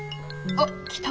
あっ来た。